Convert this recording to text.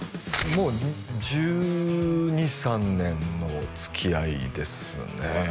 もう１２１３年のつきあいですね